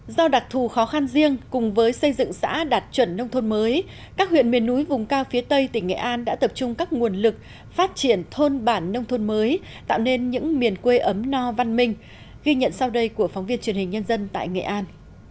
do đặc thù khó khăn riêng cùng với xây dựng xã đạt chuẩn nông thôn mới các huyện miền núi vùng cao phía tây tỉnh nghệ an đã tập trung các nguồn lực phát triển thôn bản nông thôn mới tạo nên những miền quê ấm no văn minh ghi nhận sau đây của phóng viên truyền hình nhân dân tại nghệ an